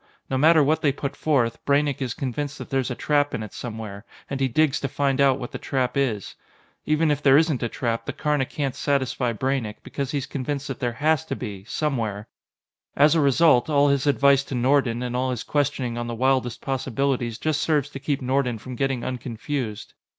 No matter what they put forth, Braynek is convinced that there's a trap in it somewhere, and he digs to find out what the trap is. Even if there isn't a trap, the Karna can't satisfy Braynek, because he's convinced that there has to be somewhere. As a result, all his advice to Nordon, and all his questioning on the wildest possibilities, just serves to keep Nordon from getting unconfused.